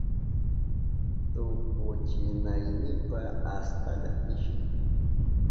Tukuchinaynipa astalla pishin.